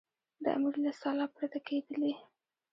د امیر له سلا پرته کېدلې.